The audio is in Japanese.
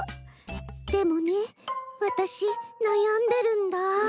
でもねわたしなやんでるんだ。